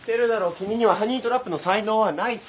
君にはハニートラップの才能はないって。